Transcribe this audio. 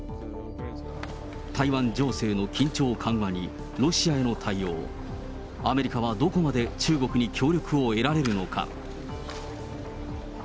台湾情勢の緊張緩和にロシアへの対応、アメリカはどこまで中国に協力を得られるのか。